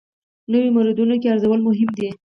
نویو موردونو کې ارزول مهم دي.